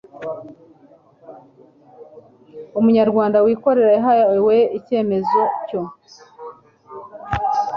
umunyarwanda wikorera yahawe icyemezo cyo